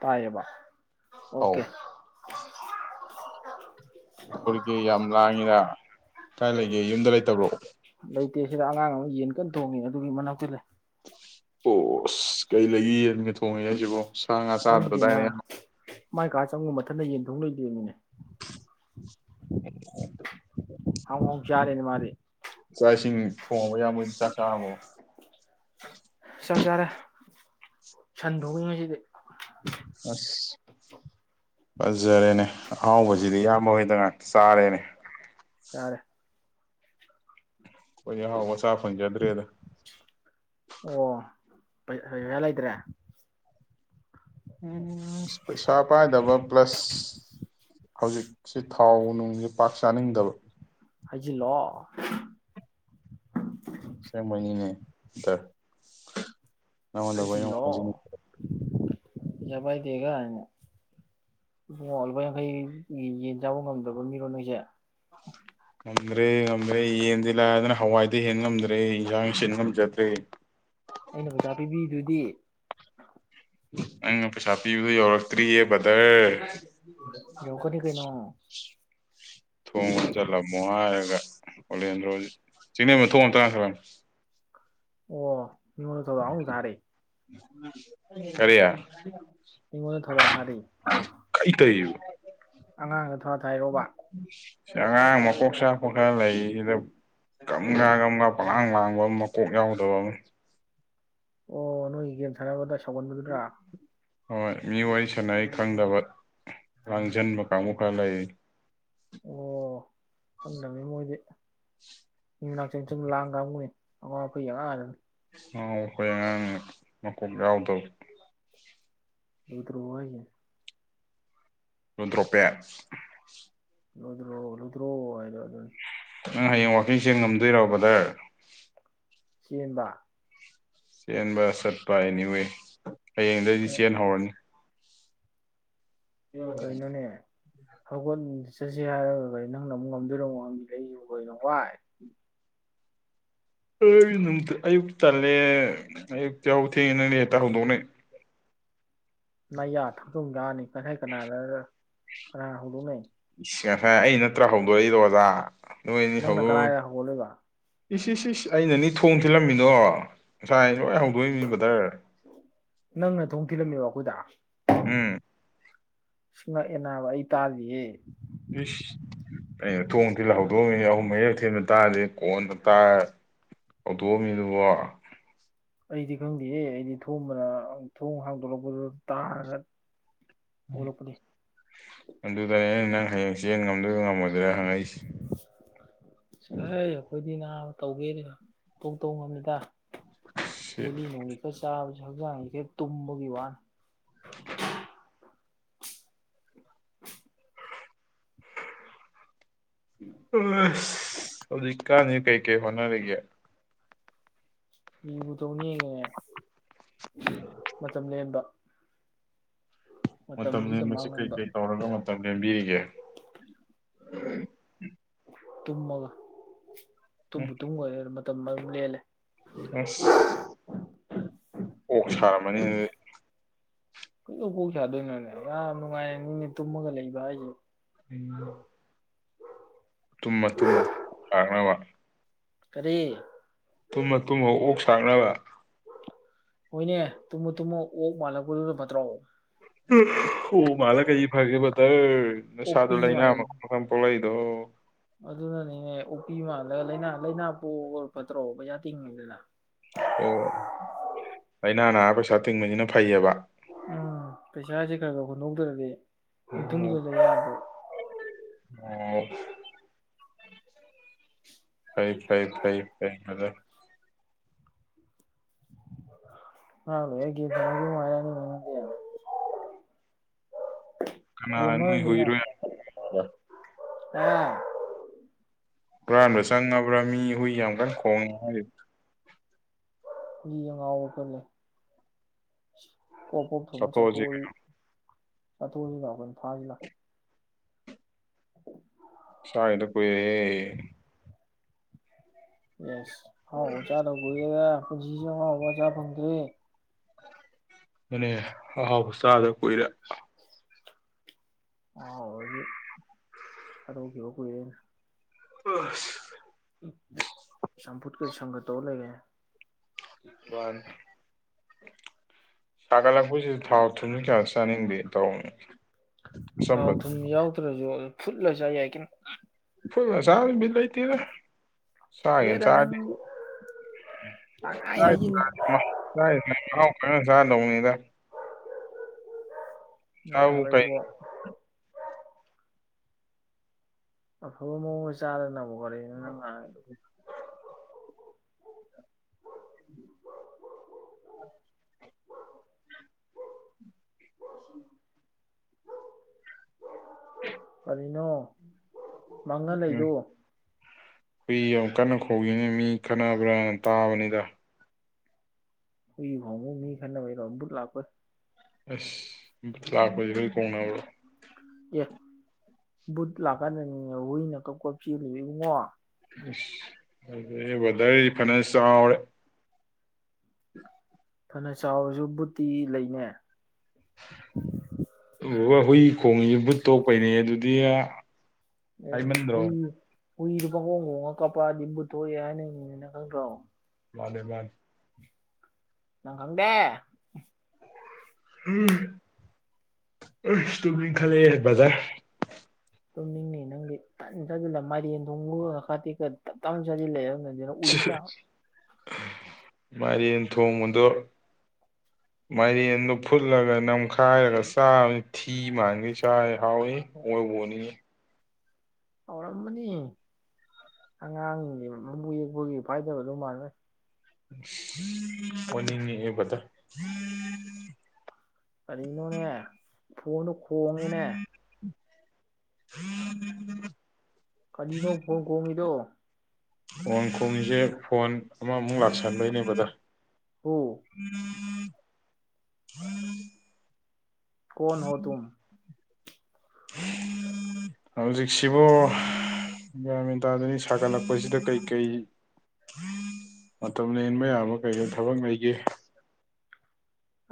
ꯇꯥꯏꯌꯦꯕ ꯑꯧ ꯑꯣꯀꯦ [unintelligible] ꯑꯩꯈꯣꯏꯒꯤ ꯌꯥꯝ ꯂꯥꯡꯉꯤꯔ ꯀꯥꯏ ꯂꯩꯒꯦ ꯌꯨꯝꯗ ꯂꯩꯇꯕ꯭ꯔꯣ ꯇꯦꯁꯤꯗ ꯑꯉꯥꯡ ꯑꯃ ꯌꯦꯟ ꯀꯟꯅ ꯊꯣꯡꯉꯤ ꯑꯗꯨꯒꯤ ꯃꯅꯥꯛꯇ ꯂꯩ ꯑꯣꯁ ꯀꯩ ꯂꯩꯒ ꯌꯦꯟꯒ ꯊꯣꯡꯉꯦ ꯍꯥꯏꯖꯤꯕꯣ ꯁꯥ ꯉꯥ ꯈꯪꯗꯦꯅ ꯆꯥꯗ꯭ꯔꯗꯥꯏꯅꯦ ꯃꯥꯏ ꯀꯥ ꯆꯪꯉꯨ ꯃꯊꯟꯗ ꯌꯦꯟꯊꯣꯛ ꯂꯩꯗꯕ ꯃꯤꯅꯦ [inaudible] ꯍꯥꯎ ꯍꯥꯎꯅ ꯆꯥꯔꯦꯅꯤ ꯃꯥꯗꯤ ꯆꯥꯛ ꯏꯁꯤꯡ ꯊꯣꯡꯉꯕ ꯏꯌꯥꯝꯕ ꯍꯣꯏ ꯆꯥꯛ ꯆꯥꯔꯕꯣ ꯆꯥꯛ ꯆꯥꯔꯦ ꯁꯟ ꯊꯣꯡꯉꯤ ꯉꯁꯤꯗꯤ ꯑꯁ ꯐꯖꯔꯦꯅꯦ ꯑꯍꯥꯎꯕꯁꯤꯗꯤ ꯏꯌꯥꯝꯕ ꯍꯣꯏꯗ ꯉꯥꯛꯇ ꯆꯥꯔꯦꯅꯦ ꯆꯥꯔꯦ ꯑꯩꯈꯣꯏ ꯑꯍꯥꯎꯕꯒ ꯆꯥ ꯐꯪꯖꯗ꯭ꯔꯦꯗ ꯑꯣ ꯄꯩꯁꯥ ꯂꯩꯇ꯭ꯔꯦ ꯎꯝ ꯄꯩꯁꯥ ꯄꯥꯏꯗꯕ ꯄ꯭ꯂꯁ ꯍꯧꯖꯤꯛꯁꯦ ꯊꯥꯎ ꯅꯨꯡꯖꯦ ꯄꯥꯛ ꯆꯥꯅꯤꯡꯗꯕ ꯍꯥꯏꯖꯤꯜꯂꯣ [unintelligible] ꯅꯉꯣꯟꯗꯕꯨ ꯑꯩꯅ ꯑꯃꯨꯛ ꯍꯥꯏꯖꯤꯟ ꯏꯕꯥꯏꯗꯦꯒꯅ ꯂꯨꯄꯥ ꯌꯥꯡꯈꯩ ꯌꯦꯟ ꯆꯥꯕ ꯉꯝꯗꯕ ꯃꯤꯔꯣ ꯅꯣꯏꯁꯦ ꯉꯝꯗ꯭ꯔꯦ ꯉꯝꯗ꯭ꯔꯦ ꯌꯦꯟꯗꯤ ꯂꯥꯏꯔꯗꯅ ꯍꯋꯥꯏꯗꯩ ꯍꯦꯟꯉꯝꯗ꯭ꯔꯦ ꯏꯟꯖꯥꯡ ꯁꯤꯟ ꯉꯝꯖꯗ꯭ꯔꯦ ꯑꯩꯅ ꯄꯩꯁꯥ ꯄꯤꯕꯤꯗꯨꯗꯤ ꯅꯪꯅ ꯄꯩꯁꯥ ꯄꯤꯕ ꯌꯧꯔꯛꯇ꯭ꯔꯤꯌꯦ ꯕ꯭ꯔꯗꯔ ꯌꯧꯔꯛꯀꯅꯤ ꯀꯩꯅꯣ ꯊꯣꯡ ꯂꯣꯟꯖꯤꯜꯂꯝꯃꯣ ꯍꯥꯏꯔꯒ ꯑꯣꯂꯦꯟꯗ꯭ꯔꯣꯖꯤ ꯆꯤꯡꯂꯦꯝꯕꯥ ꯊꯣꯡ ꯑꯝꯇ ꯉꯥꯁꯤꯜꯂꯝꯃꯣ ꯑꯣ ꯃꯤꯉꯣꯟꯗ ꯊꯧꯗꯥꯡ ꯑꯃꯨꯛ ꯊꯥꯔꯤ ꯀꯔꯤ ꯃꯤꯉꯣꯟꯗ ꯊꯧꯗꯥꯡ ꯊꯥꯔꯤ ꯀꯩ ꯇꯧꯋꯤꯖꯤꯕꯣ ꯑꯉꯥꯡꯗ ꯊꯧꯗꯥꯡ ꯊꯥꯏꯔꯣꯕ ꯁꯤ ꯑꯉꯥꯡ ꯃꯀꯣꯛ ꯆꯥꯛꯄ ꯈꯔ ꯂꯩ ꯁꯤꯗ ꯒꯝꯒꯥ ꯒꯝꯒꯥ ꯄꯂꯥꯡ ꯂꯥꯡ ꯃꯀꯣꯛ ꯌꯥꯎꯗꯕ ꯑꯃ ꯑꯣ ꯅꯣꯏꯒꯤ ꯒꯦꯝ ꯁꯥꯟꯅꯕꯗ ꯁꯧꯒꯟꯕꯗꯨꯔꯥ ꯍꯣꯏ ꯃꯤ ꯋꯥꯔꯤ ꯁꯅꯔꯤ ꯈꯪꯗꯕ ꯂꯥꯡꯖꯤꯟꯕ ꯀꯥꯡꯕꯨ ꯈꯔ ꯂꯩ ꯑꯣ ꯈꯪꯗꯝꯅꯤ ꯃꯣꯏꯗꯤ ꯃꯤ ꯃꯅꯥꯛ ꯆꯪ ꯆꯪ ꯂꯥꯡ ꯀꯥꯡꯕꯨꯅꯤ ꯑꯉꯥꯎ ꯑ ꯐꯩ ꯑꯉꯥꯡ ꯉꯥꯛꯇꯅꯤ ꯑꯉꯥꯎ ꯑ ꯐꯩ ꯑꯉꯥꯡꯅꯦ ꯃꯀꯣꯛ ꯌꯥꯎꯗꯕ ꯎꯗ꯭ꯔꯣ ꯍꯥꯏꯖꯤꯅꯦ ꯂꯨꯗ꯭ꯔꯣꯄꯦ ꯂꯨꯗ꯭ꯔꯣ ꯂꯨꯗ꯭ꯔꯣ ꯍꯥꯏꯗꯣ ꯑꯗꯨꯅꯤ ꯅꯪ ꯍꯌꯦꯡ ꯋꯥꯜꯀꯤꯡ ꯆꯦꯟ ꯉꯝꯗꯣꯏꯔꯣ ꯕ꯭ꯔꯗꯔ ꯆꯦꯟꯕ ꯆꯦꯟꯕ ꯆꯠꯄ ꯑꯦꯅꯤꯋꯦ ꯍꯌꯦꯡꯗꯩꯗꯤ ꯆꯦꯟꯍꯧꯔꯅꯤ ꯀꯩꯅꯣꯅꯦ ꯍꯧꯒꯠ ꯆꯠꯁꯤ ꯍꯥꯏꯔꯒ ꯀꯩ ꯅꯪꯅ ꯑꯃꯨꯛ ꯉꯝꯗꯣꯏꯔꯣ ꯑꯃꯨꯛ ꯍꯪꯖꯤꯜꯂꯛꯏꯖꯤꯕꯣ ꯀꯩꯅꯣ ꯋꯥꯏ ꯑ ꯑꯌꯨꯛ ꯇꯜꯂꯦ ꯑꯌꯨꯛꯇ ꯌꯥꯍꯧ ꯊꯦꯡꯉꯦ ꯅꯪꯗꯤ ꯍꯦꯛꯇ ꯍꯧꯗꯣꯛꯅꯩ ꯅ ꯌꯥ ꯊ ꯑꯗꯨꯨꯝ ꯂꯑꯅꯤ ꯉꯁꯥꯏ ꯀꯅꯥꯗ ꯀꯅꯥꯅ ꯍꯧꯗꯣꯛꯅꯩ ꯏꯁ ꯉꯁꯥꯏ ꯑꯩꯅ ꯅꯠꯇ꯭ꯔ ꯍꯧꯗꯣꯛꯏꯗꯣ ꯑꯣꯖꯥ ꯅꯣꯏꯅꯤ ꯅꯪꯅ ꯍꯧꯗꯣꯛ ꯀꯗꯥꯏꯗ ꯍꯧꯒꯠꯂꯤꯕ ꯏꯁ ꯏꯁ ꯏꯁ ꯑꯩꯅꯅꯤ ꯊꯣꯡ ꯊꯤꯜꯂꯝꯃꯤꯗꯣ ꯉꯁꯥꯏ ꯂꯣꯏ ꯍꯧꯗꯣꯛꯏꯅꯤ ꯕ꯭ꯔꯗꯔ ꯅꯪꯅ ꯊꯣꯡ ꯊꯤꯜꯂꯝꯃꯤꯕ ꯎꯝ ꯉꯛꯑꯦꯅꯥꯕ ꯑꯩ ꯇꯥꯗꯦꯍꯦ ꯏꯁꯁ ꯑꯩꯅ ꯊꯣꯡ ꯊꯤꯜꯂ ꯍꯧꯗꯣꯛꯑꯝꯃꯤꯅꯤ ꯑꯍꯨꯝ ꯃꯔꯤꯔꯛ ꯊꯤꯟꯕ ꯇꯥꯔꯗꯤ ꯀꯣꯟꯅ ꯇꯥ ꯍꯧꯗꯣꯛꯑꯝꯃꯤꯗꯨꯕ ꯑꯩꯗꯤ ꯈꯪꯗꯦꯍꯦ ꯑꯩꯗꯤ ꯊꯣꯝꯕꯅ ꯊꯣꯡ ꯍꯥꯡꯗꯣꯔꯛꯄꯗꯨ ꯇꯥꯔꯒ ꯍꯧꯒꯠꯂꯛꯄꯅꯤ ꯑꯗꯨꯗꯅꯤ ꯑꯩꯅ ꯅꯪ ꯍꯌꯦꯡ ꯆꯦꯟ ꯉꯝꯗꯔꯣꯏꯅ ꯉꯝꯃꯣꯏꯗ꯭ꯔꯦ ꯍꯪꯉꯛꯏꯁꯦ ꯆꯠꯂꯍꯩ ꯅꯥꯕ ꯇꯧꯒꯦꯗꯤ ꯑꯗꯨꯝ ꯇꯣꯛ ꯇꯧ ꯉꯝꯃꯤꯗ ꯁꯤ ꯒꯨꯂꯤ ꯅꯨꯡꯂꯤ ꯈꯔ ꯆꯥꯕ ꯍꯛꯆꯥꯡꯁꯦ ꯇꯨꯝꯕꯒꯤ ꯋꯥꯅꯤ [inaudible] [inaudible] ꯑ ꯍꯧꯖꯤꯛ ꯀꯥꯟꯖꯤ ꯀꯩꯀꯩ ꯍꯣꯠꯅꯔꯤꯒꯦ ꯀꯩꯕꯨ ꯇꯧꯅꯤꯒꯦꯅꯦ ꯃꯇꯝ ꯂꯦꯟꯕ ꯃꯇꯝ ꯃꯇꯝꯁꯤꯗ ꯂꯦꯟꯕꯁꯤ ꯃꯥꯡꯍꯟꯕ ꯀꯩꯀꯩ ꯇꯧꯔꯒ ꯃꯇꯝ ꯂꯦꯝꯕꯤꯔꯤꯒꯦ [inaudible] ꯇꯨꯝꯃꯒ ꯇꯨꯝꯕꯨ ꯎꯝ ꯇꯨꯝꯒ꯭ꯔꯗꯤ ꯑꯗꯨꯝ ꯇꯨꯝꯃꯒ ꯂꯦꯜꯂꯦ ꯑꯁ ꯑꯣ ꯁꯥꯔꯝꯃꯅꯤ ꯑꯗꯨꯗꯤ ꯀꯩꯗꯧ ꯀꯣꯛ ꯁꯥꯗꯣꯏꯅꯣꯅꯦ ꯌꯥꯝ ꯅꯨꯡꯉꯥꯏꯅꯅꯤꯅꯦ ꯇꯨꯝꯃꯒ ꯂꯩꯕ ꯍꯥꯏꯁꯦ [inaudible] ꯇꯨꯝꯃ ꯇꯨꯝꯃ ꯂꯥꯛꯅꯕ ꯀꯔꯤ ꯇꯨꯝꯃ ꯇꯨꯝꯃ ꯑꯣꯛ ꯁꯥꯛꯅꯕ ꯍꯣꯏꯅꯦ ꯇꯨꯝꯃꯨ ꯇꯨꯝꯃꯨ ꯑꯣꯛ ꯃꯥꯜꯂꯛꯄꯗꯨꯅ ꯐꯠꯇ꯭ꯔꯣ [unintelligible] ꯑꯣꯛ ꯃꯥꯂ ꯀꯩ ꯐꯒꯦ ꯕꯗꯔ ꯅꯁꯥꯗꯨ ꯑꯣꯛꯄꯤ ꯂꯩꯅꯥ ꯃꯥꯜꯂꯛ ꯃꯈꯜ ꯃꯈꯜ ꯄꯣꯛꯂꯛꯏꯗꯨ [unintelligible] ꯑꯗꯨꯅꯅꯤꯅꯦ ꯑꯣꯛꯄꯤ ꯃꯥꯜꯂꯒ ꯂꯩꯅꯥ ꯂꯩꯅꯥ ꯄꯣꯛꯑꯒ ꯐꯠꯇ꯭ꯔꯣ ꯄꯩꯁꯥ ꯇꯤꯡꯉꯤꯗꯅ ꯑꯣ ꯂꯩꯅꯥ ꯅꯥꯔ ꯄꯩꯁꯥ ꯇꯤꯡꯕꯁꯤꯅ ꯐꯩꯌꯦꯕ ꯎꯝ [unintelligible] ꯈꯔ ꯈꯔ ꯍꯨꯟꯗꯣꯛꯇꯔꯗꯤ ꯑꯣ [unintelligible] ꯑꯣ [unintelligible] ꯐꯩ ꯐꯩ ꯐꯩ [unintelligible] [inaudible] [inaudible] ꯀꯅꯥ ꯅꯣꯏ ꯒꯦꯝꯃꯔꯅꯤꯅ [unintelligible] ꯑꯥ ꯍꯨꯔꯥꯟꯕ ꯆꯪꯉꯕ꯭ꯔꯥ ꯃꯤ ꯍꯨꯏ ꯌꯥꯝ ꯀꯟꯅ ꯈꯣꯡ [unintelligible] [unintelligible] ꯄꯣꯞ ꯄꯣꯞ ꯊꯣꯝꯃ ꯆꯥꯊꯣꯛꯑꯁꯤ ꯆꯥꯊꯣꯛꯑꯗꯤ [inaudible] ꯆꯥꯒꯤꯗ ꯀꯨꯏꯔꯦꯍꯦ ꯌꯦꯁ ꯑꯍꯥꯎꯕ ꯆꯥꯗ ꯀꯨꯏꯔꯦꯗ ꯄꯨꯟꯖꯤꯖꯦ ꯑꯍꯥꯎꯕꯒ ꯆꯥ ꯐꯪꯗ꯭ꯔꯦ [unintelligible] ꯑꯍꯥꯎꯕ ꯆꯥꯗ ꯀꯨꯏꯔꯦ [unintelligible] ꯑꯁ ꯆꯝꯐꯨꯠꯀ ꯁꯪꯒ ꯇꯧꯔ ꯂꯩꯔꯦ꯫ [unintelligible] ꯁꯥꯒꯠꯂꯛꯄꯁꯤꯁꯨ ꯊꯥꯎ ꯊꯨꯝꯁꯨ ꯀꯌꯥ ꯆꯥꯅꯤꯡꯗꯦ ꯇꯧꯅꯤ ꯊꯥꯎ ꯑꯆꯝꯕ ꯊꯨꯝ ꯌꯥꯎꯇꯔꯁꯨ ꯐꯨꯠꯂ ꯆꯥ ꯌꯥꯏ ꯀꯩꯅꯣ꯫ ꯐꯨꯠꯂ ꯆꯥꯕ ꯕꯤꯠ ꯂꯩꯇꯦꯗ꯫ ꯆꯥꯒꯦ ꯍꯦꯔꯥ ꯆꯥꯔꯗꯤ ꯅꯪꯕꯨ ꯄꯪꯍꯥꯏ ꯍꯥꯏꯖꯤꯜꯂꯤ [unintelligible] [unintelligible] ꯆꯥꯕꯨ ꯅꯥꯕ ꯀꯩ ꯏꯕꯣ꯫ ꯑꯐꯕ ꯃꯑꯣꯡꯗ ꯆꯥꯗꯅꯕꯨ [unintelligible] [unintelligible] [unintelligible] ꯃꯪꯉ ꯎꯝ ꯂꯩꯗꯣ ꯍꯨꯏ ꯌꯥꯝ ꯀꯟꯅ ꯈꯣꯡꯏꯅꯦ ꯃꯤ ꯈꯠꯅꯕ꯭ꯔꯥ ꯇꯥꯕꯅꯤꯗ ꯍꯨꯏ ꯍꯣꯡꯉ [inaudible] [unintelligible] ꯃꯤ ꯈꯠꯅꯕꯩ ꯔꯣꯝ [unintelligible] ꯕꯨꯠ ꯂꯥꯛꯄꯩ ꯑꯁ ꯂꯥꯛꯄꯁꯦ [unintelligible] ꯑꯦ ꯕꯨꯠ ꯂꯥꯛꯀꯥꯟꯗꯅꯤꯅꯦ ꯍꯨꯏꯅ ꯀꯞ ꯀꯞ ꯆꯦꯜꯂꯤꯖꯦ ꯏꯕꯨꯡꯉꯣ [unintelligible] ꯕꯔꯗꯔ ꯐꯅꯥ ꯆꯥꯎꯔꯦ꯫ [inaudible] ꯐꯅ ꯆꯥꯎꯔꯁꯨ ꯕꯨꯠꯇꯤ ꯂꯩꯅꯦ꯫ ꯑꯗꯨꯒ ꯍꯨꯏ ꯈꯣꯡꯉꯤꯁꯤꯦ ꯕꯨꯠ ꯊꯣꯛꯄꯩꯅꯦ ꯑꯗꯨꯗꯤ ꯍꯥꯏꯃꯟꯗ꯭ꯔꯣ [inaudible] ꯍꯨꯏꯗꯣ ꯄꯈꯣꯡ ꯈꯣꯡꯉ ꯀꯞꯄꯛꯑꯥꯗꯤ ꯕꯨꯠꯊꯣꯛꯑꯦ ꯍꯥꯏꯅꯩꯅꯤꯅ ꯅꯪ ꯈꯪꯗꯔꯣ꯫ ꯃꯥꯅꯦ ꯃꯥꯅꯦ꯫ ꯅꯪ ꯈꯪꯗꯦ꯫ ꯎ ꯏꯁ ꯇꯨꯝꯅꯤꯪꯈꯠꯂꯛꯑꯦ ꯕꯔꯗꯔ ꯇꯨꯝꯅꯤꯡꯅꯤ ꯅꯪꯗꯤ ꯇꯟ ꯆꯜꯂꯒ ꯃꯥꯏꯔꯦꯟ ꯊꯣꯡꯕꯒ [unintelligible] ꯇꯞ ꯇꯥꯅ ꯆꯥꯖꯤꯜꯂꯌꯥ [unintelligible] ꯃꯥꯏꯔꯦꯟ ꯊꯣꯡꯕꯗꯣ ꯃꯥꯏꯔꯦꯟꯗꯣ ꯐꯨꯠꯂꯒ ꯅꯝꯈꯥꯏꯔꯒ ꯆꯥꯕꯅꯤ ꯊꯤ ꯃꯥꯟꯒꯩ ꯆꯕꯅꯤꯍꯥꯎꯏ ꯑꯣꯕꯨ ꯑꯣꯅꯤꯪꯉꯦ ꯍꯧꯧꯔꯝꯃꯅꯤ ꯑꯉꯥꯡꯒꯤ ꯃꯕꯨ ꯌꯦꯛꯄꯒꯤ ꯐꯥꯏꯗꯕꯗꯨ ꯃꯥꯟꯒꯩ ꯑꯣꯅꯤꯡꯏ ꯍꯦ ꯕꯔꯗꯔ ꯀꯔꯤꯅꯣꯅꯦ ꯐꯣꯟꯗꯣ ꯈꯣꯡꯉꯦꯅꯦ [inaudible] ꯀꯔꯤꯅꯣ ꯐꯣꯟ ꯈꯣꯪꯉꯤꯗꯣ ꯐꯣꯟ ꯈꯣꯡꯏꯖꯦ ꯐꯣꯟ ꯑꯃꯃꯨꯛ ꯂꯥꯛꯁꯟꯕꯩꯅꯦ ꯕ꯭ꯔꯗ꯭ꯔ꯫ [inaudible] [inaudible] ꯍꯨ ꯀꯣꯟ ꯍꯣ ꯇꯨꯝ ꯍꯧꯖꯤꯛꯁꯤꯕꯨ ꯒꯌ꯭ꯥꯟꯃꯦꯟ ꯇꯥꯗꯅꯦ ꯁꯥꯒꯠꯂꯛꯄꯁꯤꯗ ꯀꯩꯀꯩ ꯃꯇꯝ ꯂꯦꯟꯕ ꯌꯥꯕ ꯀꯩ ꯊꯕꯛ ꯂꯩꯒꯦ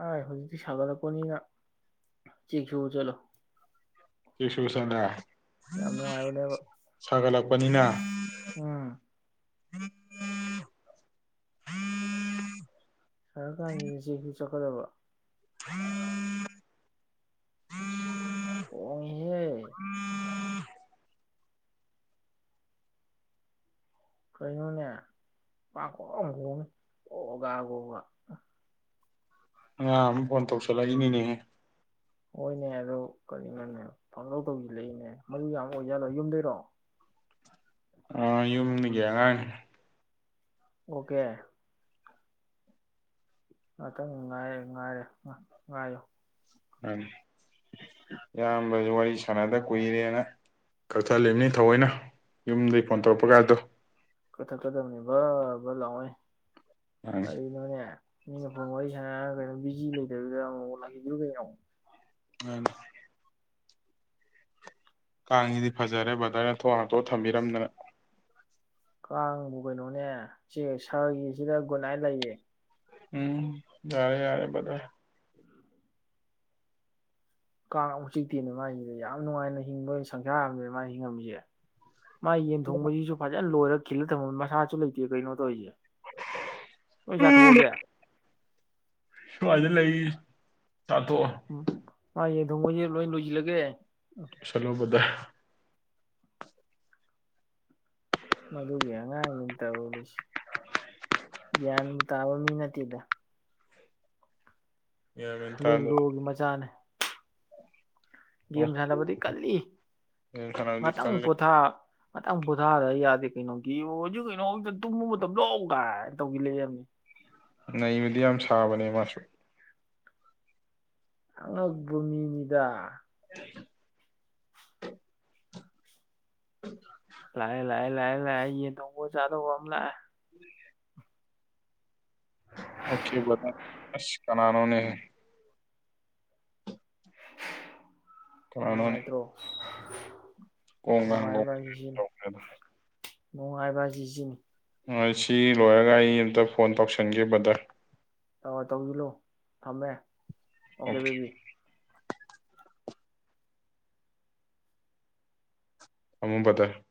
ꯑ ꯍꯧꯖꯤꯛꯇꯤ ꯁꯒꯠꯂꯛꯄꯅꯤꯅꯥ ꯆꯦꯛꯁꯨꯕ ꯆꯠꯂꯣ ꯆꯦꯛ ꯁꯨꯕ ꯆꯠꯂꯦ ꯌꯥꯝ ꯅꯨꯡꯉꯥꯏꯕꯥꯅꯦꯕꯥ ꯄꯅꯤꯅ [inaudible] ꯁꯥꯔ ꯀꯟꯖꯤꯗ ꯆꯦꯛꯁꯨ ꯆꯠꯀꯥꯗꯕ [inaudible] [inaudible] [inaudible] ꯀꯩꯅꯣꯅꯦ ꯄꯈ‌ꯣꯡ ꯈꯣꯡꯏ ꯒꯣꯒꯥ ꯒꯣꯒꯥ ꯑꯉꯥꯡ ꯑꯃ ꯐꯣꯟ ꯇꯧꯁꯜꯂꯛꯏꯃꯤꯅꯦꯍꯦ ꯍꯣꯏꯅꯦ ꯑꯗꯨꯗ ꯀꯔꯤꯅꯣꯅꯦ ꯄꯪꯗꯧ ꯇꯧꯁꯤꯂꯛꯏꯅꯦ ꯃꯔꯨ ꯌꯥꯝ ꯑꯣꯏꯖꯥꯠꯂꯣ ꯌꯨꯝꯗꯩꯔꯣ ꯑꯥ ꯌꯨꯝꯒꯤ ꯑꯉꯥꯡꯅꯦ ꯑꯣꯀꯦ ꯉꯥꯇꯪ ꯉꯥꯏꯔ‌ꯦ ꯉꯥꯏꯔꯦ [unintelligible] ꯉ ꯉꯥꯏꯑꯣ ꯃꯅꯤ ꯏꯌꯥꯝꯕꯁꯨ ꯋꯥꯔꯤ ꯁꯥꯟꯅꯗ ꯀꯨꯏꯔꯦꯅ ꯀꯛꯊꯠꯂꯤꯝꯅꯤ ꯊꯑꯣꯏꯅ ꯌꯨꯝꯗꯒꯤ ꯐꯣꯟ ꯇꯧꯔꯛꯄ ꯒꯥꯗꯣ ꯀꯊꯛꯀꯗꯝꯅꯤ ꯕꯠ ꯕꯠ ꯂꯥꯎꯉꯩ ꯃꯥꯅꯤ ꯀꯔꯤꯅꯣꯅꯦ ꯃꯤꯅ ꯐꯣꯟ ꯋꯥꯔꯤ ꯁꯥꯟꯅꯔꯒ ꯀꯩꯅꯣ ꯕꯤꯖꯤ ꯂꯩꯇꯕꯤꯗ ꯑꯃꯨꯛ ꯂꯛꯏꯖꯤꯕꯨ ꯀꯩꯅꯣ ꯃꯥꯅ‌ꯦ ꯀꯥꯡꯖꯤꯗꯤ ꯐꯖꯔꯦ ꯕꯗꯔꯅ ꯊꯣꯡ ꯉꯥꯛꯇꯣꯛꯑ ꯊꯝꯕꯤꯔꯝꯗꯅ ꯀꯥꯡꯕꯨ ꯀꯩꯅꯣꯅꯦ ꯆꯤꯛꯑꯒ ꯁꯥꯒꯤꯖꯤꯗ ꯒꯨꯟ ꯅꯥꯏ ꯂꯩꯌꯦ ꯎꯝ ꯌꯥꯔꯦ ꯌꯥꯔꯦ ꯕꯥꯗꯔ ꯀꯥꯡ ꯑꯝꯕꯨꯛ ꯆꯤꯛꯇꯦꯅꯦ ꯃꯥꯏꯖꯤꯗꯤ ꯌꯥꯝ ꯅꯨꯡꯉꯥꯏꯅ ꯍꯤꯡꯕ ꯁꯪꯁꯥꯔꯑꯝꯗꯅꯦ ꯃꯥꯥꯏ ꯍꯤꯡꯉꯝꯃꯤꯖꯦ ꯃꯥꯏ ꯌꯦꯟ ꯊꯣꯡꯕꯖꯤꯁꯨ ꯐꯖ ꯇ ꯂꯣꯏꯔ ꯈꯤꯜꯂ ꯊꯃꯝ ꯃꯥꯁꯖꯨ ꯂꯩꯇꯦ ꯀꯩꯅꯣ ꯇꯧꯏꯖꯦ ꯑꯩ ꯂꯣꯏ ꯎꯝ ꯆꯥꯊꯣꯛꯑꯒꯦ ꯄꯜꯗ ꯂꯩ ꯆꯥꯊꯣꯛꯑꯣ ꯎꯝ ꯃꯥꯏ ꯌꯦꯟ ꯊꯣꯡꯕꯖꯦ ꯂꯣꯏ ꯂꯣꯏꯖꯤꯜꯂꯒꯦ ꯂꯣꯏꯁꯜꯂꯣ ꯕꯥꯗ ꯃꯗꯨꯒꯤ ꯑꯉꯥꯡꯗꯨꯅ ꯇꯧꯂꯤꯁꯤ ꯒ꯭ꯌꯥꯟꯕꯨ ꯇꯥꯕ ꯃꯤ ꯅꯠꯇꯦꯗ ꯒ꯭ꯌꯥꯟ ꯃꯦꯟ ꯇꯥꯗꯦ ꯂꯨꯟꯗ꯭ꯔꯣꯒꯤ ꯃꯆꯥꯅꯦ ꯒꯦꯝ ꯁꯥꯟꯅꯕꯗꯤ ꯀꯜꯂꯤ ꯐꯅꯌꯥꯝꯗꯤ ꯉꯥꯛꯇꯪ ꯀꯜꯂꯤ ꯄꯣꯊꯥ ꯉꯥꯊꯪ ꯄꯣꯊꯥꯔ ꯌꯥꯗꯦ ꯀꯩꯅꯣ ꯒꯦꯝꯕꯨ ꯑꯣꯏꯗꯤ ꯀꯩꯅꯣꯝꯇ ꯇꯨꯝꯕ ꯃꯇꯝꯂꯧ ꯀꯥꯏ ꯇꯧꯖꯤꯜꯂꯩꯑꯦꯝꯅꯤ ꯅꯩꯕꯗꯤ ꯌꯥꯝ ꯁꯥꯕꯅꯦ ꯃꯥꯁꯨ ꯑꯉꯛꯄ ꯃꯤꯅꯤꯗꯥ ꯂꯑꯦ ꯂꯑꯦ ꯂꯑꯦ ꯂꯑꯦ ꯌꯦꯟ ꯊꯣꯡꯕ ꯆꯗꯧꯕ ꯑꯝ ꯂꯑꯦ ꯑꯣꯈꯦ ꯕꯥꯗꯔ ꯑꯁ ꯀꯅꯥꯅꯣꯅꯦ ꯀꯅꯥꯅꯣꯅꯦ ꯅꯨꯡꯉꯥꯏꯇ꯭ꯔꯣ ꯀꯣꯡꯒ ꯍꯥꯡꯒꯣꯡꯒ ꯅꯨꯡꯉꯥꯏꯕꯖꯦ ꯁꯤꯅꯤ ꯇꯧꯈ꯭ꯔꯦꯗ ꯅꯨꯡꯉꯥꯏꯕꯖꯦ ꯁꯤꯅꯤ ꯎꯝ ꯉꯁꯤ ꯂꯣꯏꯔꯒ ꯑꯩ ꯑꯝꯇ ꯐꯣꯟ ꯇꯧꯁꯟꯒꯦ ꯕꯗꯔ ꯇ ꯇꯧꯖꯤꯜꯂꯨ ꯊꯝꯃꯦ ꯑꯣꯀꯦ ꯕꯦꯕꯤ ꯊꯝꯃꯨ ꯕꯗꯔ